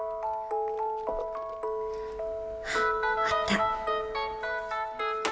あっあった。